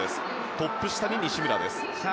トップ下に西村です。